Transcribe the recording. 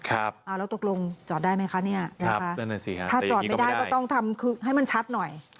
แล้วตกลงจอดได้ไหมคะเนี่ยนะคะถ้าจอดไม่ได้ก็ต้องทำให้มันชัดหน่อย